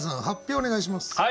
発表お願いします。